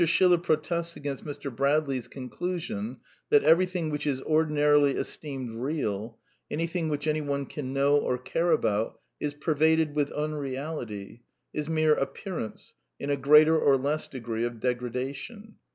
Schiller protests against Mr. Bradley^s " conclusion that everything which is ordinarily esteemed real, anything which any one can know or care about, is pervaded with unreality, is ' mere appearance ' in a greater or less degree of degradation.''